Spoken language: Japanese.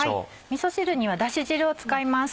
みそ汁にはだし汁を使います。